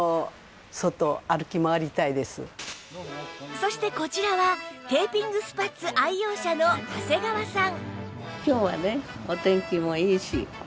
そしてこちらはテーピングスパッツ愛用者の長谷川さん